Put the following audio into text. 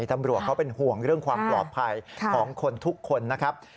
ตำรวจเขาเป็นห่วงเรื่องความปลอดภัยของคนทุกคนนะครับ